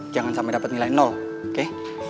jangan sampai dapet nilai oke